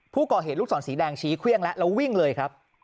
ผู้ก่อเหตุลูกศรสีแดงชี้เครื่องแล้วแล้ววิ่งเลยครับ